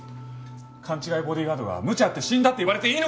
勘違いボディーガードがむちゃやって死んだって言われていいのかよ！